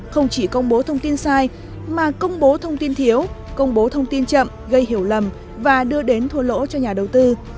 không chỉ công bố thông tin sai mà công bố thông tin thiếu công bố thông tin chậm gây hiểu lầm và đưa đến thua lỗ cho nhà đầu tư